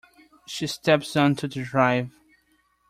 She steps on to the drive.